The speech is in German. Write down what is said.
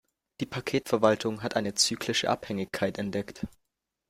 Die Paketverwaltung hat eine zyklische Abhängigkeit entdeckt.